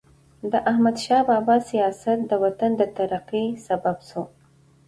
د احمدشاه بابا سیاست د وطن د ترقۍ سبب سو.